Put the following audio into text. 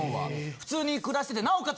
普通に暮らしててなおかつ